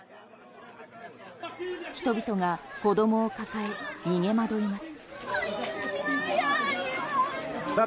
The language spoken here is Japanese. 人々が子供を抱え逃げまどいます。